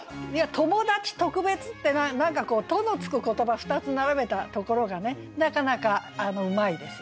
「友達」「特別」って「と」のつく言葉２つ並べたところがねなかなかうまいですよね。